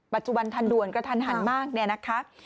ปัจจุบันทันด่วนกระทันหันมากแน่นะคะ